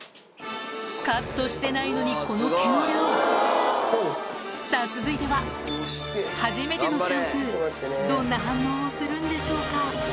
カットしてないのにこの毛の量さぁ続いてはどんな反応をするんでしょうか？